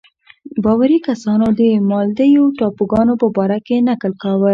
باوري کسانو د مالدیو ټاپوګانو په باره کې نکل کاوه.